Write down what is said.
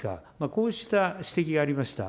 こうした指摘がありました。